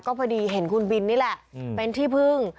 ก็พอดีเห็นคุณบินนี่แหละเป็นที่พึ่ง